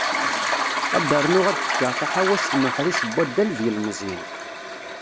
Ad d-rnuɣ ad d-fkeɣ taḥawact n uḥric n waddal d yilmeẓyen.